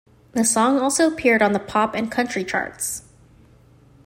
The song also appeared on the pop and country charts.